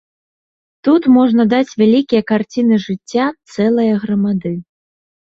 Тут можна даць вялікія карціны жыцця цэлае грамады.